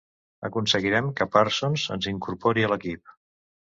Aconseguirem que Parsons ens incorpori a l'equip.